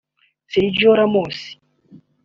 Sergio Ramos